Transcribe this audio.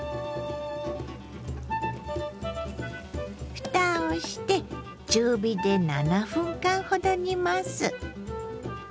ふたをして中火で７分間ほど煮ます。